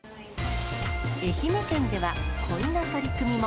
愛媛県ではこんな取り組みも。